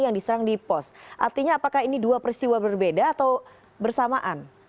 yang diserang di pos artinya apakah ini dua peristiwa berbeda atau bersamaan